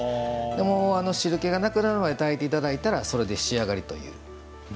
もう、汁気がなくなるまで炊いていただいたらそれで仕上がりという。